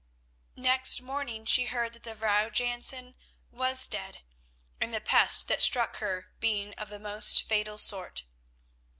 Next morning she heard that the Vrouw Jansen was dead, the pest that struck her being of the most fatal sort.